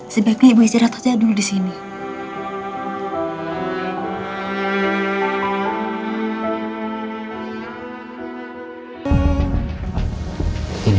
sebaiknya ibu istirahat aja dulu disini